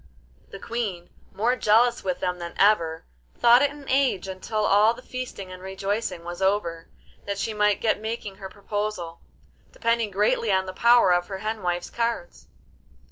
The Queen, more jealous with them than ever, thought it an age until all the feasting and rejoicing was over, that she might get making her proposal, depending greatly on the power of the hen wife's cards.